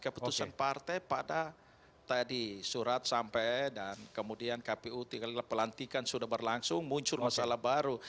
keputusan partai pada tadi surat sampai dan kemudian kpu tinggal pelantikan sudah berlangsung muncul masalah baru